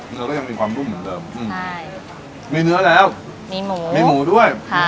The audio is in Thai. เนื้อก็ยังมีความนุ่มเหมือนเดิมอืมใช่มีเนื้อแล้วมีหมูมีหมูด้วยค่ะ